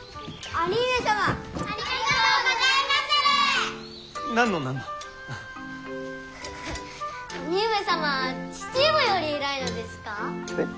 兄上様は父上より偉いのですか？